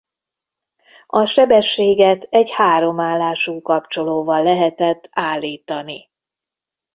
A sebességet egy három állású kapcsolóval lehetett állítani.